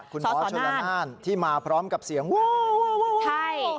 คุณหมอชลน่านที่มาพร้อมกับเสียงวู๊ว